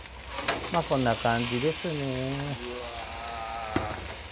まっこんな感じですね。